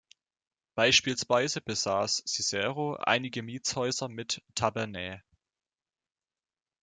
Beispielsweise besaß Cicero einige Mietshäuser mit "tabernae".